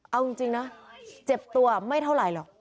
เอาจริงนะเจ็บตัวไม่เท่าไหร่หรอก